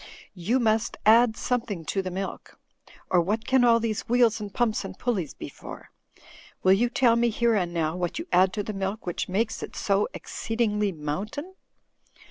You must add something to the milk, or what can all these wheels and pumps and pulleys be for? Will you tell me, here and now, what you add to the milk which makes it so exceedingly Moimtain?"